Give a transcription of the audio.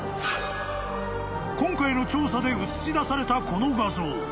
［今回の調査で写し出されたこの画像］